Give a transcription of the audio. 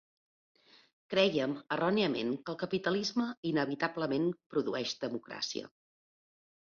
Creiem erròniament que el capitalisme inevitablement produeix democràcia.